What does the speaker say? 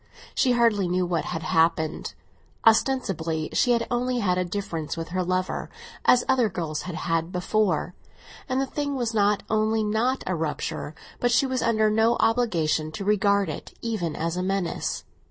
She hardly knew what had happened; ostensibly she had only had a difference with her lover, as other girls had had before, and the thing was not only not a rupture, but she was under no obligation to regard it even as a menace.